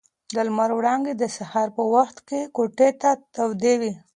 د لمر وړانګې د سهار په وخت کې کوټه تودوي.